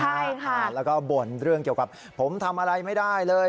ใช่ค่ะแล้วก็บ่นเรื่องเกี่ยวกับผมทำอะไรไม่ได้เลย